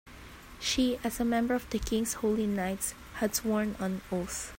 She, as a member of the king's holy knights, had sworn an oath.